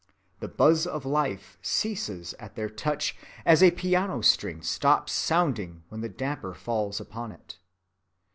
The buzz of life ceases at their touch as a piano‐string stops sounding when the damper falls upon it.